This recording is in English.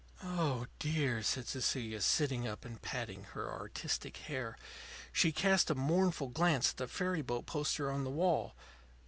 "Oh, dear!" said Cecilia, sitting up and patting her artistic hair. She cast a mournful glance at the ferry boat poster on the wall.